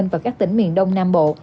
và các tỉnh miền đông nam bộ